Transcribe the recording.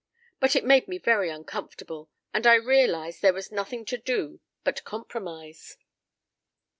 "But it made me very uncomfortable, and I realized there was nothing to do but compromise.